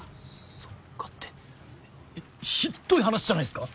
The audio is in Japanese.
そっかってえっひっどい話じゃないですか？